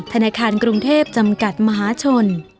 ธนาคารกรุงเทพจำกัดมหาชน